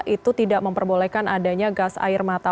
itu tidak memperbolehkan adanya gas air mata